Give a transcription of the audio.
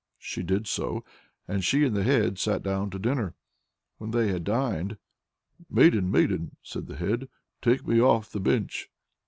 She did so, and she and the Head sat down to dinner. When they had dined, 'Maiden, Maiden!' said the Head, 'take me off the bench!'